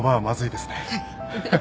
はい。